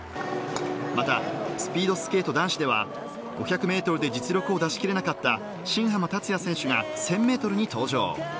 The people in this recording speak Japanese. また、スピードスケート男子では５００ｍで実力を出し切れなかった新濱立也選手が１０００ｍに登場。